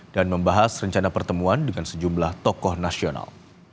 dan membahas rencana pertemuan dengan sejumlah tokoh nasional